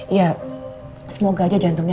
ya semoga aja jantungnya